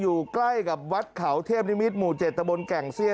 อยู่ใกล้กับวัดเขาเทพนิมิตรหมู่๗ตะบนแก่งเซียน